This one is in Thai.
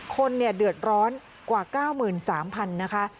คนเดือดร้อนกว่า๙๓๐๐๐นะคะ